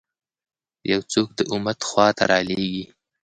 یو څوک د امت خوا ته رالېږي.